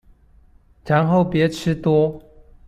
然後別吃多